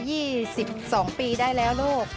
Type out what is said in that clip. เปิดมา๒๒ปีได้แล้วลูก